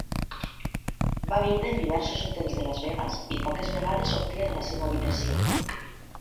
Va viure en diversos hotels de Las Vegas i poques vegades sortia de la seva habitació.